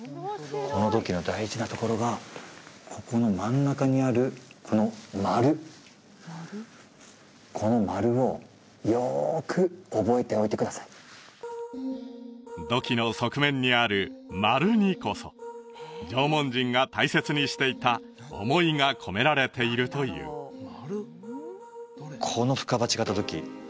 この土器の大事なところがここの真ん中にあるこの丸この丸をよく覚えておいてください土器の側面にある丸にこそ縄文人が大切にしていた思いが込められているというこの深鉢型土器